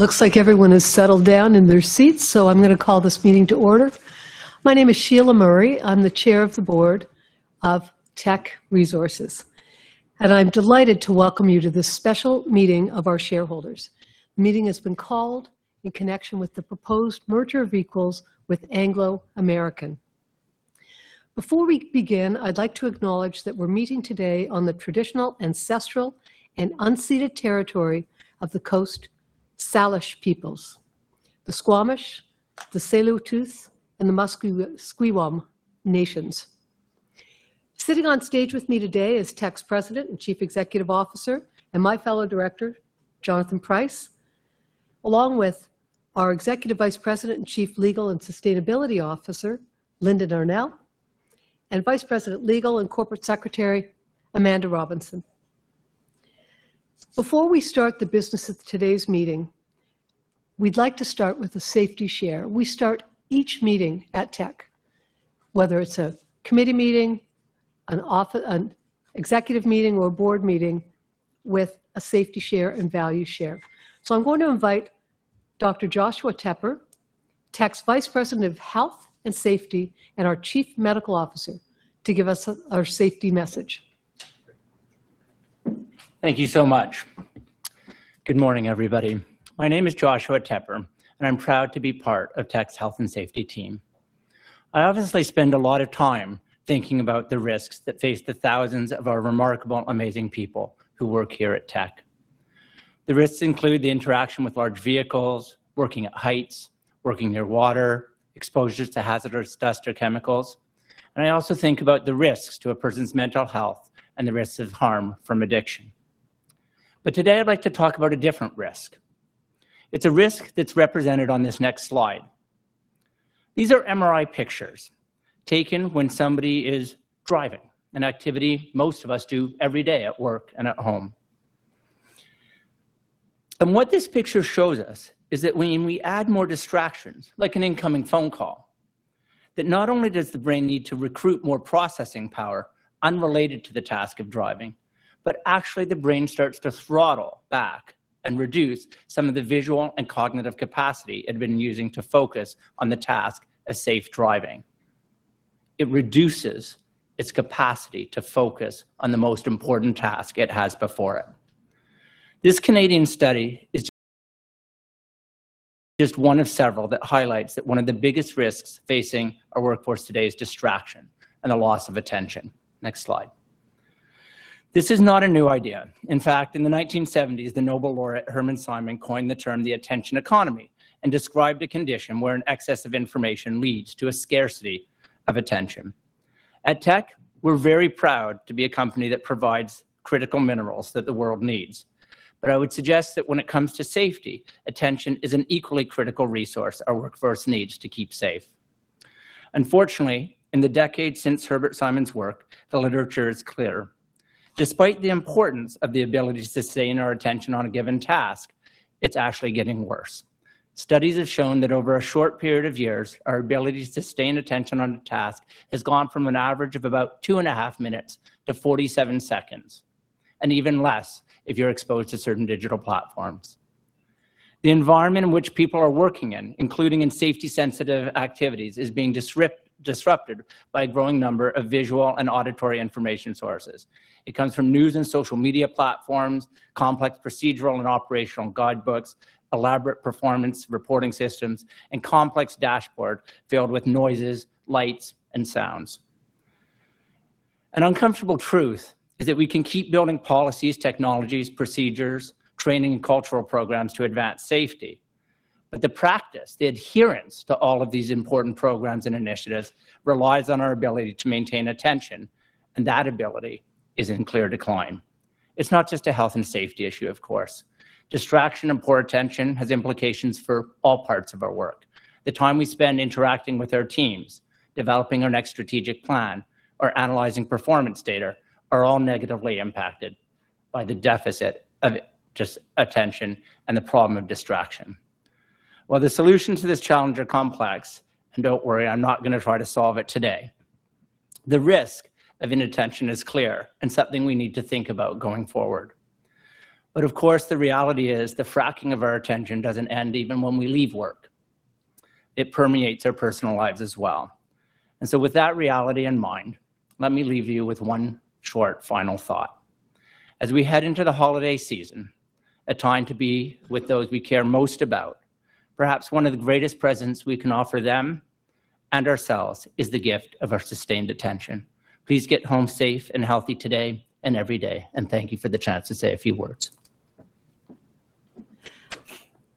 Looks like everyone has settled down in their seats, so I'm going to call this meeting to order. My name is Sheila Murray. I'm the Chair of the Board of Teck Resources, and I'm delighted to welcome you to this special meeting of our shareholders. The meeting has been called in connection with the proposed merger of equals with Anglo American. Before we begin, I'd like to acknowledge that we're meeting today on the traditional ancestral and unceded territory of the Coast Salish Peoples, the Squamish, the Tsleil-Waututh, and the Musqueam Nations. Sitting on stage with me today is Teck's President and Chief Executive Officer and my fellow director, Jonathan Price, along with our Executive Vice President and Chief Legal and Sustainability Officer, Charlene Ripley, and Vice President Legal and Corporate Secretary, Amanda Robinson. Before we start the business of today's meeting, we'd like to start with a Safety Share. We start each meeting at Teck, whether it's a committee meeting, an executive meeting, or a board meeting, with a Safety Share and Value Share. So I'm going to invite Dr. Joshua Tepper, Teck's Vice President of Health and Safety and our Chief Medical Officer, to give us our safety message. Thank you so much. Good morning, everybody. My name is Joshua Tepper, and I'm proud to be part of Teck's Health and Safety team. I obviously spend a lot of time thinking about the risks that face the thousands of our remarkable, amazing people who work here at Teck. The risks include the interaction with large vehicles, working at heights, working near water, exposure to hazardous dust or chemicals, and I also think about the risks to a person's mental health and the risks of harm from addiction, but today, I'd like to talk about a different risk. It's a risk that's represented on this next slide. These are MRI pictures taken when somebody is driving, an activity most of us do every day at work and at home. What this picture shows us is that when we add more distractions, like an incoming phone call, that not only does the brain need to recruit more processing power unrelated to the task of driving, but actually the brain starts to throttle back and reduce some of the visual and cognitive capacity it had been using to focus on the task of safe driving. It reduces its capacity to focus on the most important task it has before it. This Canadian study is just one of several that highlights that one of the biggest risks facing our workforce today is distraction and a loss of attention. Next slide. This is not a new idea. In fact, in the 1970s, the Nobel laureate Herbert A. Simon coined the term the attention economy and described a condition where an excess of information leads to a scarcity of attention. At Teck, we're very proud to be a company that provides critical minerals that the world needs. But I would suggest that when it comes to safety, attention is an equally critical resource our workforce needs to keep safe. Unfortunately, in the decades since Herbert Simon's work, the literature is clear. Despite the importance of the ability to sustain our attention on a given task, it's actually getting worse. Studies have shown that over a short period of years, our ability to sustain attention on a task has gone from an average of about two and a half minutes to 47 seconds, and even less if you're exposed to certain digital platforms. The environment in which people are working in, including in safety-sensitive activities, is being disrupted by a growing number of visual and auditory information sources. It comes from news and social media platforms, complex procedural and operational guidebooks, elaborate performance reporting systems, and complex dashboards filled with noises, lights, and sounds. An uncomfortable truth is that we can keep building policies, technologies, procedures, training, and cultural programs to advance safety. But the practice, the adherence to all of these important programs and initiatives relies on our ability to maintain attention, and that ability is in clear decline. It's not just a health and safety issue, of course. Distraction and poor attention have implications for all parts of our work. The time we spend interacting with our teams, developing our next strategic plan, or analyzing performance data are all negatively impacted by the deficit of just attention and the problem of distraction. Well, the solutions to this challenge are complex, and don't worry, I'm not going to try to solve it today. The risk of inattention is clear and something we need to think about going forward, but of course, the reality is the fracturing of our attention doesn't end even when we leave work. It permeates our personal lives as well, and so with that reality in mind, let me leave you with one short final thought. As we head into the holiday season, a time to be with those we care most about, perhaps one of the greatest presents we can offer them and ourselves is the gift of our sustained attention. Please get home safe and healthy today and every day, and thank you for the chance to say a few words.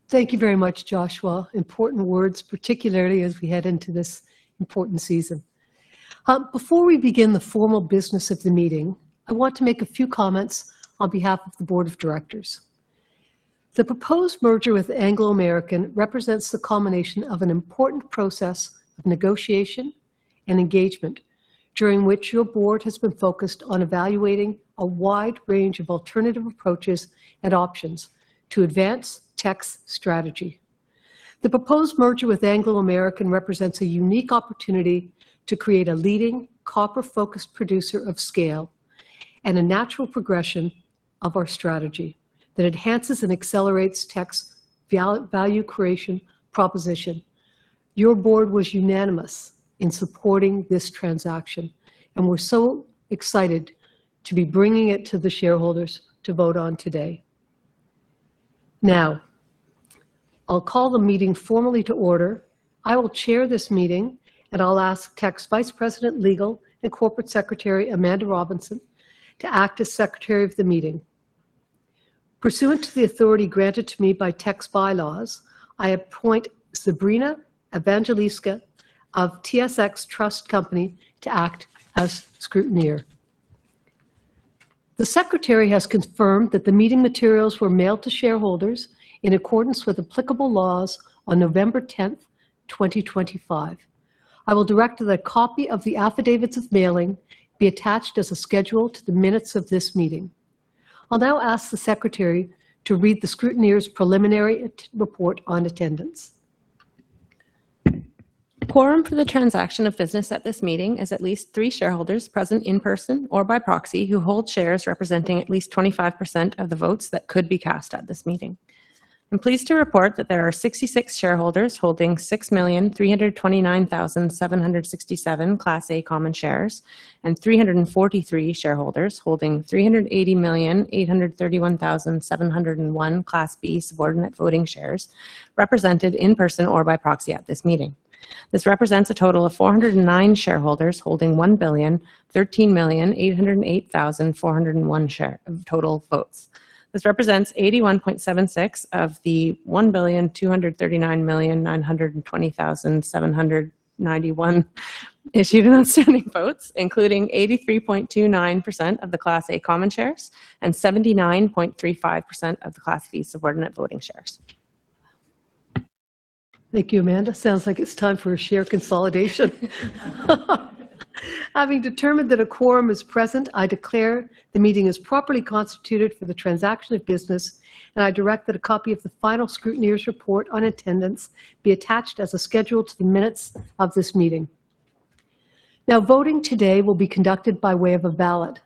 Thank you very much, Joshua. Important words, particularly as we head into this important season. Before we begin the formal business of the meeting, I want to make a few comments on behalf of the Board of Directors. The proposed merger with Anglo American represents the culmination of an important process of negotiation and engagement during which your Board has been focused on evaluating a wide range of alternative approaches and options to advance Teck's strategy. The proposed merger with Anglo American represents a unique opportunity to create a leading copper-focused producer of scale and a natural progression of our strategy that enhances and accelerates Teck's value creation proposition. Your Board was unanimous in supporting this transaction, and we're so excited to be bringing it to the shareholders to vote on today. Now, I'll call the meeting formally to order. I will chair this meeting, and I'll ask Teck's Vice President Legal and Corporate Secretary, Amanda Robinson, to act as Secretary of the Meeting. Pursuant to the authority granted to me by Teck's bylaws, I appoint Sabrina Evangelista of TSX Trust Company to act as Scrutineer. The Secretary has confirmed that the meeting materials were mailed to shareholders in accordance with applicable laws on November 10, 2025. I will direct that a copy of the affidavits of mailing be attached as a schedule to the minutes of this meeting. I'll now ask the Secretary to read the Scrutineer's preliminary report on attendance. Quorum for the transaction of business at this meeting is at least three shareholders present in person or by proxy who hold shares representing at least 25% of the votes that could be cast at this meeting. I'm pleased to report that there are 66 shareholders holding 6,329,767 Class A Common Shares and 343 shareholders holding 380,831,701 Class B Subordinate Voting Shares represented in person or by proxy at this meeting. This represents a total of 409 shareholders holding 1,013,808,401 total votes. This represents 81.76% of the 1,239,920,791 issued and outstanding votes, including 83.29% of the Class A Common Shares and 79.35% of the Class B Subordinate Voting Shares. Thank you, Amanda. Sounds like it's time for a share consolidation. Having determined that a quorum is present, I declare the meeting is properly constituted for the transaction of business, and I direct that a copy of the final Scrutineer's report on attendance be attached as a schedule to the minutes of this meeting. Now, voting today will be conducted by way of a ballot,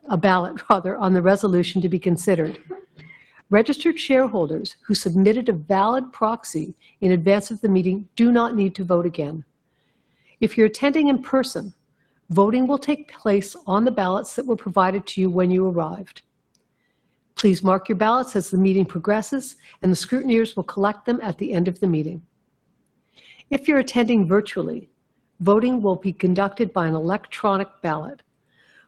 rather, on the resolution to be considered. Registered shareholders who submitted a valid proxy in advance of the meeting do not need to vote again. If you're attending in person, voting will take place on the ballots that were provided to you when you arrived. Please mark your ballots as the meeting progresses, and the Scrutineers will collect them at the end of the meeting. If you're attending virtually, voting will be conducted by an electronic ballot.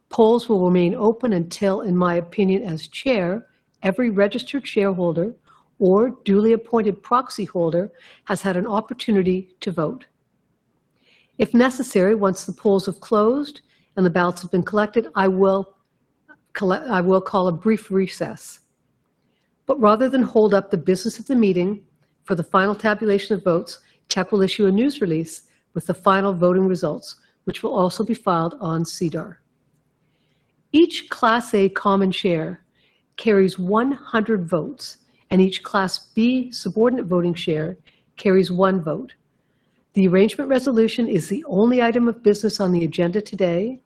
Polls will remain open until, in my opinion as Chair, every registered shareholder or duly appointed proxy holder has had an opportunity to vote. If necessary, once the polls have closed and the ballots have been collected, I will call a brief recess, but rather than hold up the business of the meeting for the final tabulation of votes, Teck will issue a news release with the final voting results, which will also be filed on SEDAR+. Each Class A Common Share carries 100 votes, and each Class B Subordinate Voting Share carries one vote. The Arrangement Resolution is the only item of business on the agenda today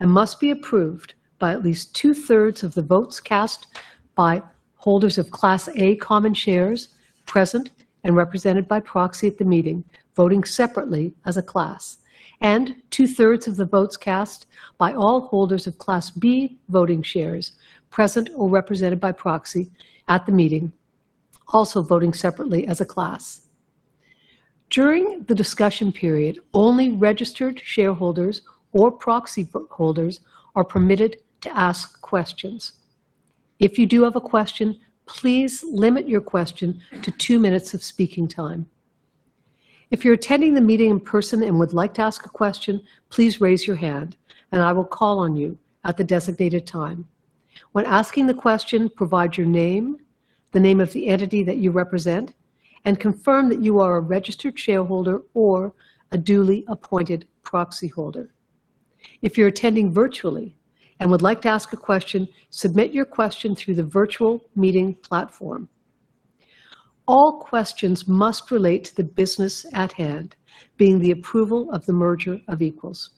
and must be approved by at least two-thirds of the votes cast by holders of Class A Common Shares present and represented by proxy at the meeting, voting separately as a class, and two-thirds of the votes cast by all holders of Class B voting shares present or represented by proxy at the meeting, also voting separately as a class. During the discussion period, only registered shareholders or proxy holders are permitted to ask questions. If you do have a question, please limit your question to two minutes of speaking time. If you're attending the meeting in person and would like to ask a question, please raise your hand, and I will call on you at the designated time. When asking the question, provide your name, the name of the entity that you represent, and confirm that you are a registered shareholder or a duly appointed proxy holder. If you're attending virtually and would like to ask a question, submit your question through the virtual meeting platform. All questions must relate to the business at hand, being the approval of the merger of equals.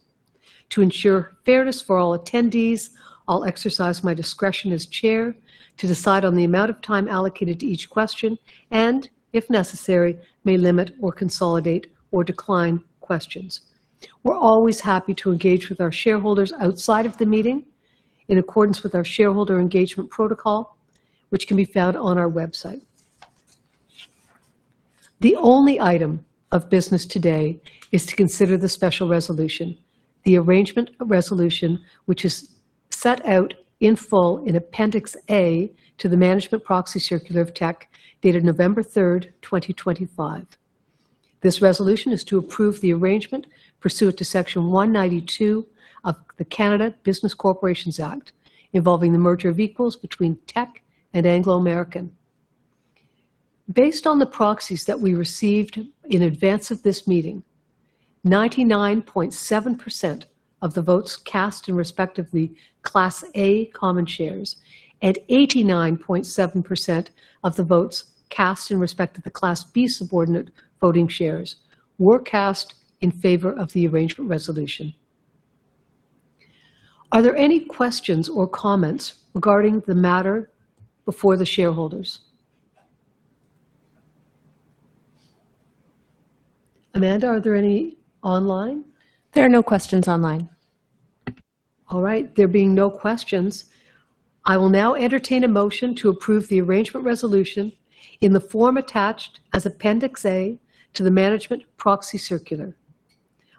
To ensure fairness for all attendees, I'll exercise my discretion as Chair to decide on the amount of time allocated to each question and, if necessary, may limit or consolidate or decline questions. We're always happy to engage with our shareholders outside of the meeting in accordance with our shareholder engagement protocol, which can be found on our website. The only item of business today is to consider the special resolution, the Arrangement Resolution, which is set out in full in Appendix A to the Management Proxy Circular of Teck dated November 3, 2025. This resolution is to approve the arrangement pursuant to Section 192 of the Canada Business Corporations Act involving the merger of equals between Teck and Anglo American. Based on the proxies that we received in advance of this meeting, 99.7% of the votes cast in respect of the Class A Common Shares and 89.7% of the votes cast in respect of the Class B Subordinate Voting Shares were cast in favor of the Arrangement Resolution. Are there any questions or comments regarding the matter before the shareholders? Amanda, are there any online? There are no questions online. All right. There being no questions, I will now entertain a motion to approve the Arrangement Resolution in the form attached as Appendix A to the Management Proxy Circular.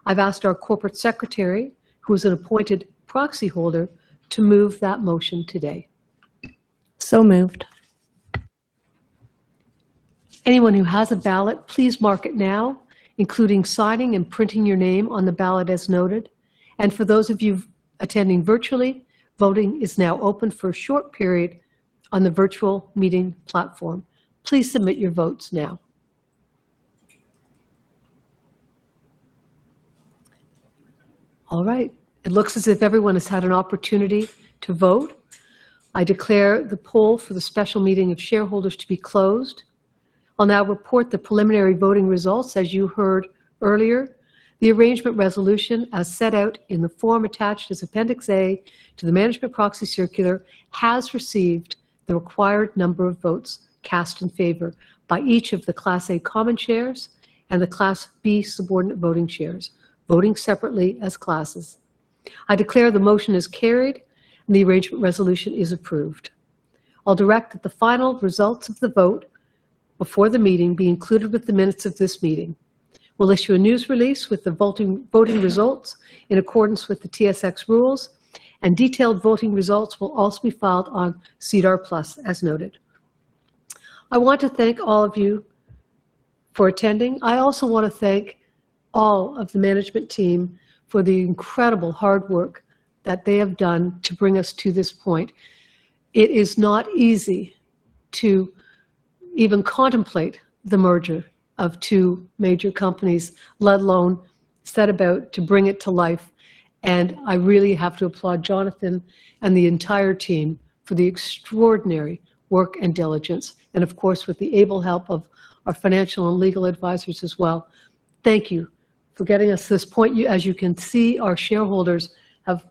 I've asked our Corporate Secretary, who is an appointed proxy holder, to move that motion today. So moved. Anyone who has a ballot, please mark it now, including signing and printing your name on the ballot as noted, and for those of you attending virtually, voting is now open for a short period on the virtual meeting platform. Please submit your votes now. All right. It looks as if everyone has had an opportunity to vote. I declare the poll for the special meeting of shareholders to be closed. I'll now report the preliminary voting results, as you heard earlier. The Arrangement Resolution, as set out in the form attached as Appendix A to the Management Proxy Circular, has received the required number of votes cast in favor by each of the Class A Common Shares and the Class B Subordinate Voting Shares, voting separately as classes. I declare the motion is carried and the Arrangement Resolution is approved. I'll direct that the final results of the vote before the meeting be included with the minutes of this meeting. We'll issue a news release with the voting results in accordance with the TSX rules, and detailed voting results will also be filed on SEDAR+ as noted. I want to thank all of you for attending. I also want to thank all of the management team for the incredible hard work that they have done to bring us to this point. It is not easy to even contemplate the merger of two major companies, let alone set about to bring it to life, and I really have to applaud Jonathan and the entire team for the extraordinary work and diligence, and of course, with the able help of our financial and legal advisors as well. Thank you for getting us to this point. As you can see, our shareholders have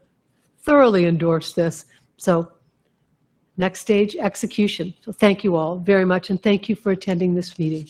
thoroughly endorsed this. So next stage, execution. So thank you all very much, and thank you for attending this meeting.